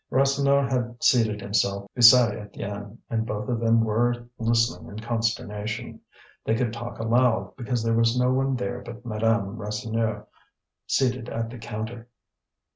Rasseneur had seated himself beside Étienne, and both of them were listening in consternation. They could talk aloud, because there was no one there but Madame Rasseneur, seated at the counter.